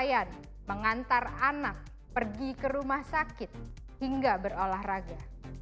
yang mengantar anak pergi ke rumah sakit hingga berolahraga